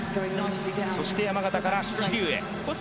そして山縣から桐生へ。